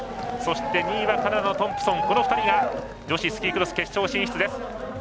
そして２位はカナダのトンプソンこの２人が女子スキークロス決勝進出です。